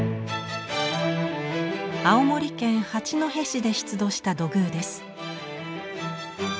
青森県八戸市で出土した土偶です。